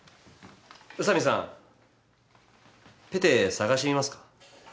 宇佐美さんペテ探してみますか？